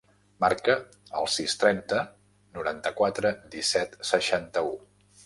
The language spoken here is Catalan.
Marca el sis, trenta, noranta-quatre, disset, seixanta-u.